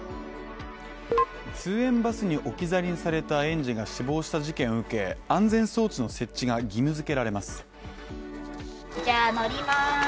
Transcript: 通園バスに置き去りにされた園児が死亡した事件を受け、安全装置の設置が義務づけられます。